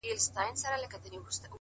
هره ورځ د نوي امکان زېری راوړي،